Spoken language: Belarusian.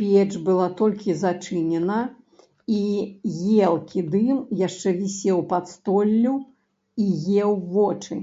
Печ была толькі зачынена, і елкі дым яшчэ вісеў пад столлю і еў вочы.